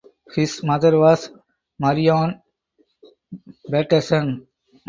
His mother was Marion Paterson.